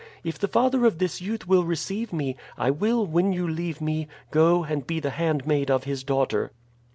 If the father of this youth will receive me, I will, when you leave me, go and be the handmaid of his daughter."